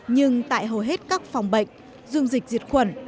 nhưng tại hầu hết các phòng bệnh dung dịch diệt khuẩn